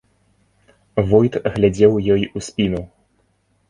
Войт глядзеў ёй у спіну.